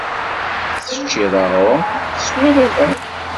Teččiḍ aɣrum, teswiḍ aman.